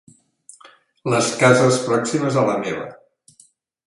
Les cases pròximes a la meva.